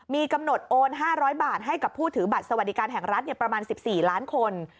มีกำหนดโอน๕๐๐บาทให้กับผู้ถือบัตรสวัสดิการแห่งรัฐประมาณ๑๔ล้านคน